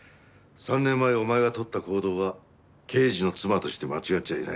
３年前お前が取った行動は刑事の妻として間違っちゃいない。